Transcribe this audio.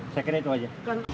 saya kira itu saja